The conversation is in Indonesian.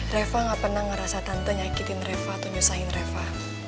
reva gak pernah ngerasa tante nyakitin reva atau nyusahin reva